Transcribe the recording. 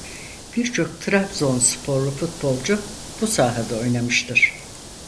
Birçok Trabzonsporlu futbolcu bu sahada oynamıştır.